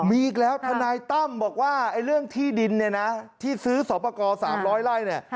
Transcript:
มีอีกแล้วทนายตั้มบอกว่าเรื่องที่ดินเนี่ยนะที่ซื้อสอบประกอบ๓๐๐ไร่เนี่ย